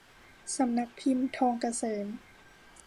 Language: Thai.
สำนักพิมพ์ทองเกษม